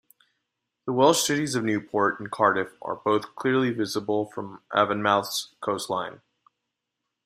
The Welsh cities of Newport and Cardiff are both clearly visible from Avonmouth's coastline.